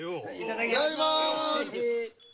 いただきます！